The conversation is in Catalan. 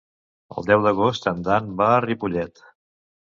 El deu d'agost en Dan va a Ripollet.